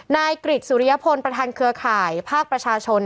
นายกริจสุริยพลประธานเครือข่ายภาคประชาชน